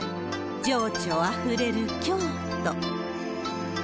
情緒あふれる京都。